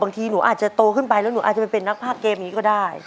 ทีหนูอาจจะโตขึ้นไปแล้วหนูอาจจะไปเป็นนักภาคเกมนี้ก็ได้